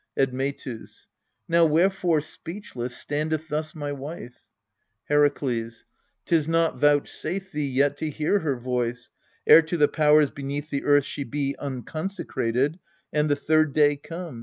Admetus. Now wherefore speechless standeth thus my wife? Herakles. 'Tis not vouchsafed thee yet to hear her voice, Ere to the powers beneath the earth she be Unconsecrated, and the third day come.